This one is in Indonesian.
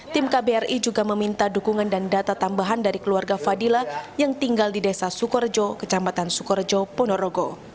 tim kbri juga meminta dukungan dan data tambahan dari keluarga fadila yang tinggal di desa sukorejo kecamatan sukorejo ponorogo